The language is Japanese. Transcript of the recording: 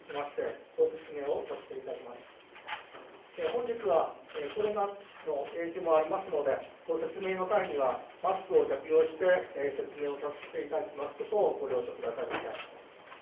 本日はコロナの影響もありますので、ご説明の際にはマスクを着用して説明をさせていただきますことをご了承くださいませ。